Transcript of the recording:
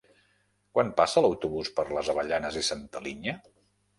Quan passa l'autobús per les Avellanes i Santa Linya?